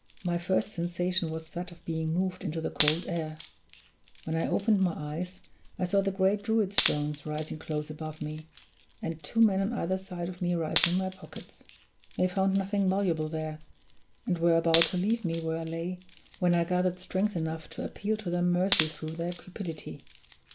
My first sensation was that of being moved into the cold air; when I opened my eyes I saw the great Druid stones rising close above me, and two men on either side of me rifling my pockets. They found nothing valuable there, and were about to leave me where I lay, when I gathered strength enough to appeal to their mercy through their cupidity.